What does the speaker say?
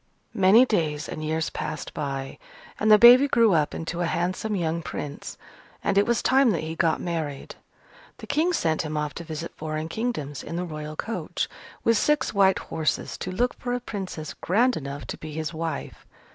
Many days and years passed by, and the baby grew up into a handsome young Prince, and it was time that he got married. The King sent him off to visit foreign kingdoms, in the Royal coach, with six white horses, to look for a Princess grand enough to be his wife.